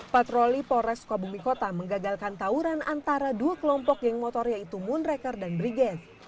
patroli polres sukabumi kota menggagalkan tawuran antara dua kelompok geng motor yaitu moon reker dan brigget